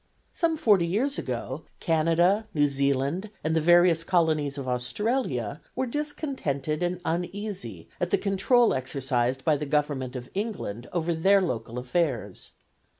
Some forty years ago, Canada, New Zealand, and the various colonies of Australia were discontented and uneasy at the control exercised by the Government of England over their local affairs.